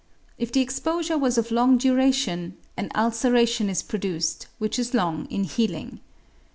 If the exposure was of long duration, an ulceration is produced which is long in healing.